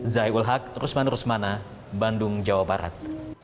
zai ul haq rusman rusmana bandung jawa barat